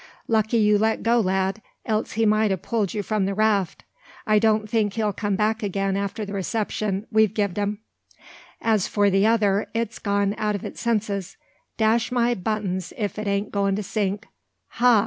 "Lucky you let go, lad; else he might ha' pulled you from the raft. I don't think he'll come back again after the reception we've gi'ed 'em. As for the other, it's gone out o' its senses. Dash my buttons, if't ain't goin' to sink! Ha!